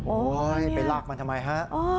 ไปลากมันทำไมฮะ